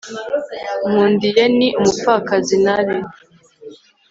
nkundiye ni umupfakazi nabi